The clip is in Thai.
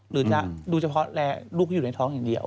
หรือจะดูเฉพาะแร่ลูกที่อยู่ในท้องอย่างเดียว